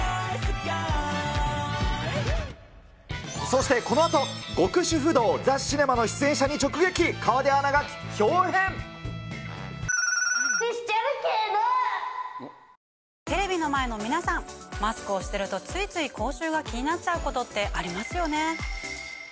そしてこのあと、テレビの前の皆さんマスクをしてるとついつい口臭が気になっちゃうことってありますよね？